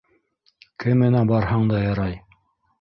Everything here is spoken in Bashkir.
Кеменә барһаң да ярай.